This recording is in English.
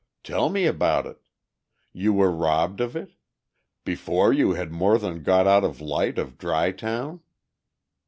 "Tell me about it. You were robbed of it? Before you had more than got out of light of Dry Town?"